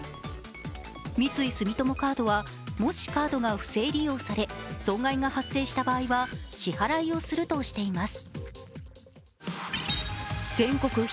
三井住友カードは、もしカードが不正利用され損害が発生した場合は支払いをするとしています。